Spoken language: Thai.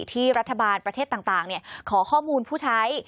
ที่รัฐบาลประเทศต่างขอข้อมูลผู้ใช้